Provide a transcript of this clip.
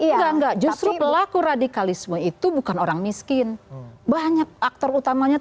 enggak enggak justru pelaku radikalisme itu bukan orang miskin banyak aktor utamanya